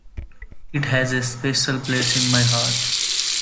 It has a special place in my heart.